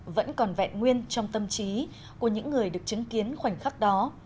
vẫn còn vẹn nguyên trong tâm trí của những người được chứng kiến khoảnh khắc đó